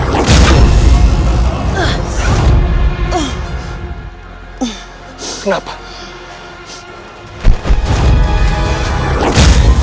kau akan menang